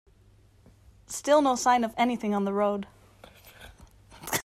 Still no sign of anything on the road.